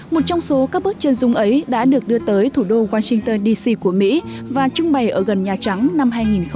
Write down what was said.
một trong số các bước chân dung ấy đã được đưa tới thủ đô washington dc của mỹ và trưng bày ở gần nhà trắng năm hai nghìn một mươi chín